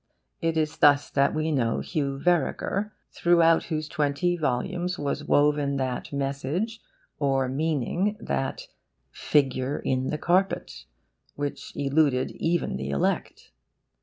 It is thus that we know Hugh Vereker, throughout whose twenty volumes was woven that message, or meaning, that 'figure in the carpet,' which eluded even the elect.